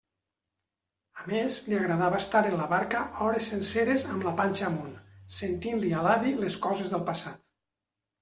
A més li agradava estar en la barca hores senceres amb la panxa amunt, sentint-li a l'avi les coses del passat.